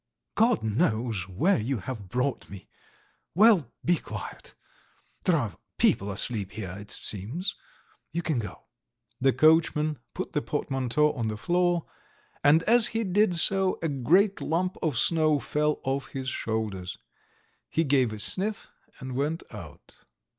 "God knows where you have brought me. ... Well, be quiet. ... There are people asleep here, it seems. You can go. ..." The coachman put the portmanteau on the floor, and as he did so, a great lump of snow fell off his shoulders. He gave a sniff and went out.